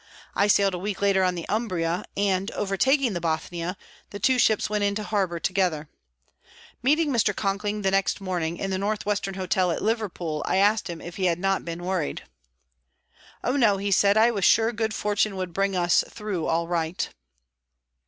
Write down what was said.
I sailed a week later on the "Umbria," and overtaking the "Bothnia," the two ships went into harbour together. Meeting Mr. Conkling the next morning, in the North Western Hotel, at Liverpool, I asked him if he had not been worried. "Oh, no," he said; "I was sure that good fortune would bring us through all right."